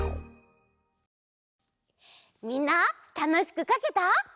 みんなたのしくかけた？